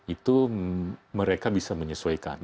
itu mereka bisa menyesuaikan